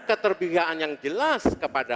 keterbihagaan yang jelas kepada